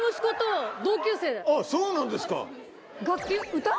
あっそうなんですか！